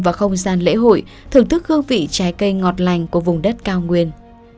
và không gian lễ hội thưởng thức hương vị trái cây ngọt lành của vùng đất cao nguyên